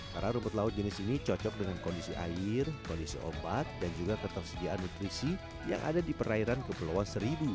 karena rumput laut jenis ini cocok dengan kondisi air kondisi obat dan juga ketersediaan nutrisi yang ada di perairan kepulauan seribu